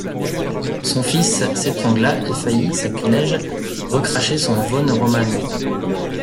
Son fils s’étrangla et faillit, sacrilège, recracher son Vosne-Romanée.